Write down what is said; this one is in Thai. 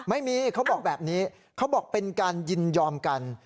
ไม่มีเขาบอกแบบนี้เขาบอกเป็นการยินยอมกัน